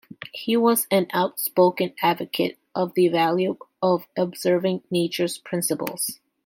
He was an outspoken advocate of the value of observing nature's principles.